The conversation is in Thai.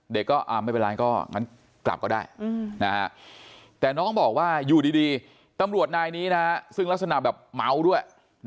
เด็กก็ไม่เป็นไรก็งั้นกลับก็ได้แต่น้องบอกว่าอยู่ดีตำรวจนายนี้นะซึ่งลักษณะแบบเมาด้วย